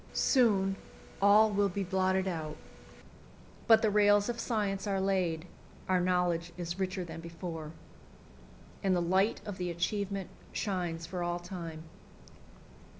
Soon all will be blotted out. But the rails of science are laid; our knowledge is richer than before. And the light of the achievement shines for all time.